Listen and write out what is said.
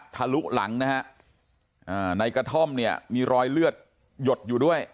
ทะลุหลังนะฮะในกระท่อมเนี่ยมีรอยเลือดหยดอยู่ด้วย